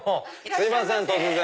すいません突然。